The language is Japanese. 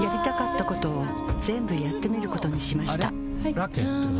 ラケットは？